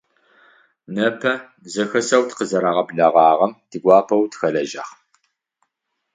Непэ зэхэсэу тыкъызэрагъэблэгъагъэм тигуапэу тыхэлэжьагъ.